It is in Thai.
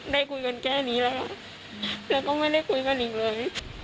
ได้คุยกันแค่นี้แล้วค่ะแล้วก็ไม่ได้คุยกับนิ่งเลย